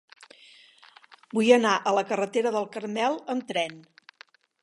Vull anar a la carretera del Carmel amb tren.